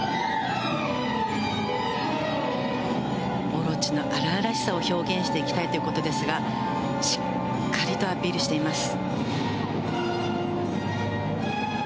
「オロチ」の荒々しさを表現していきたいということですがしっかりとアピールしています。